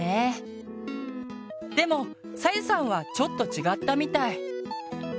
でもさゆさんはちょっと違ったみたい。